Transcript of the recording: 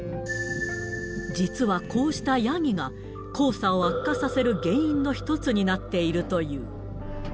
実はこうしたヤギが、黄砂を悪化させる原因の一つになっているという。